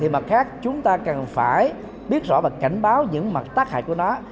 mặt khác chúng ta cần phải biết rõ và cảnh báo những mặt tác hại của nó